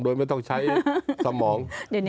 โดยไม่ต้องใช้สมอง